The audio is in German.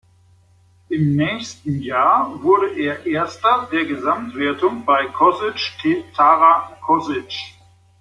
Im nächsten Jahr wurde er Erster der Gesamtwertung bei Kosice-Tara-Kosice.